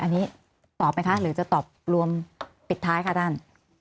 อันนี้ตอบไหมคะหรือจะตอบรวมปิดท้ายค่ะท่าน